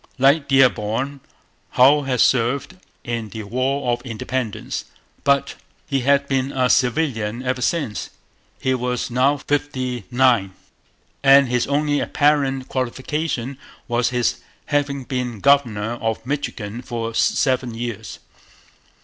Like Dearborn, Hull had served in the War of Independence. But he had been a civilian ever since; he was now fifty nine; and his only apparent qualification was his having been governor of Michigan for seven years.